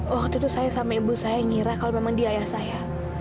waktu itu saya sama ibu saya ngira kalau memang dia ayah saya